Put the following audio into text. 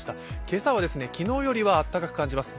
今朝は昨日よりはあったかく感じます。